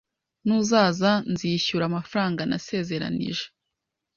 Nuzaza, nzishyura amafaranga nasezeranije.